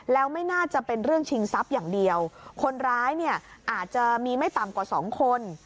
แล้วไม่น่าจะเป็นเรื่องชิงทรัพย์อย่างเดียวคนร้ายเนี่ยอาจจะมีไม่ต่ำกว่าสองคน